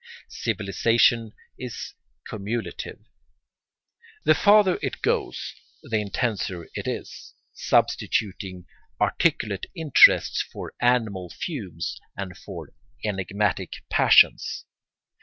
Civilisation is cumulative. The farther it goes the intenser it is, substituting articulate interests for animal fumes and for enigmatic passions.